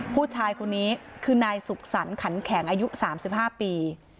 ผู้ชายคนนี้คือนายสุขสรรคันแข็งอายุ๓๕ปี